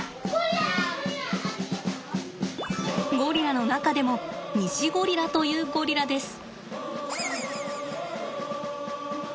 ゴリラの中でもニシゴリラというゴリラです。